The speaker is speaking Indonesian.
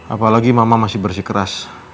apalagi mama masih bersih keras